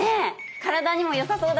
体にも良さそうだし。